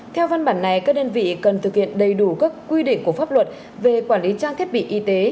theo văn bản này các đơn vị cần thực hiện đầy đủ các quy định của pháp luật về quản lý trang thiết bị y tế